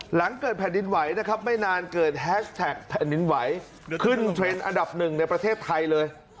หลังเกิดแผ่นดินไหวนะครับไม่นานเกิดแฮชแท็กแผ่นดินไหวขึ้นเทรนด์อันดับหนึ่งในประเทศไทยเลย